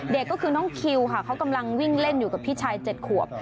เด็กก็คือน้องคิวค่ะเขากำลังวิ่งเล่นอยู่กับพี่ชาย๗ขวบ